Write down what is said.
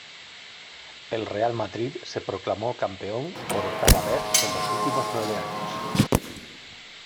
El Real Madrid se proclamó campeón, por octava vez en los últimos nueve años.